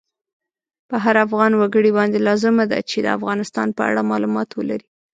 په هر افغان وګړی باندی لازمه ده چی د افغانستان په اړه مالومات ولری